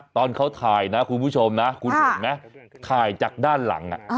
ตอนเขาถ่ายนะคุณผู้ชมนะคุณเห็นไหมถ่ายจากด้านหลัง